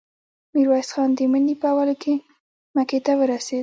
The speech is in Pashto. ميرويس خان د مني په اولو کې مکې ته ورسېد.